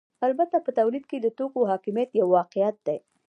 البته په تولید کې د توکو حاکمیت یو واقعیت دی